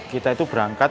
kita itu berangkat